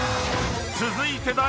［続いて］